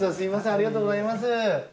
ありがとうございます。